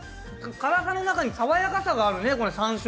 辛さの中に爽やかさがある！